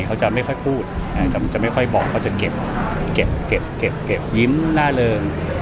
เขาจะไม่ค่อยพูดจะไม่ค่อยบอกเขาจะเก็บยิ้มล่าเริง